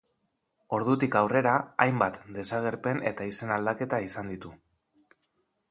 Ordutik aurrera hainbat desagerpen eta izen aldaketa izan ditu.